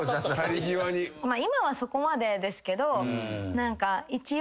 今はそこまでですけど一応。